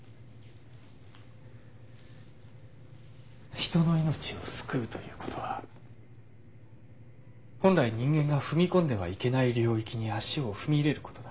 人の命を救うということは本来人間が踏み込んではいけない領域に足を踏み入れることだ。